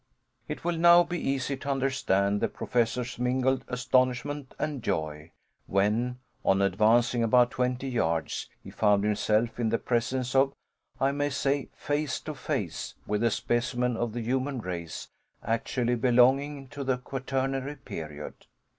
It will now be easy to understand the Professor's mingled astonishment and joy when, on advancing about twenty yards, he found himself in the presence of, I may say face to face with, a specimen of the human race actually belonging to the Quaternary period!